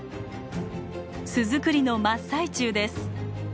巣作りの真っ最中です。